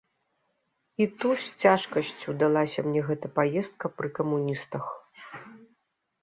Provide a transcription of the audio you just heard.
І то з цяжкасцю далася мне гэта паездка пры камуністах.